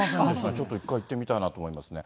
ちょっと一回行ってみたいと思いますね。